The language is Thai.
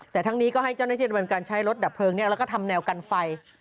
แต่ทั้งนี้ก็ให้เจ้าหน้าที่ดำเนินการใช้รถดับเพลิงแล้วก็ทำแนวกันไฟ